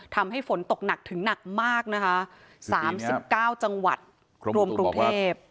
ทำให้ฝนตกหนักถึงหนักมากนะคะ๓๙จังหวัดรวมกรุงเทพ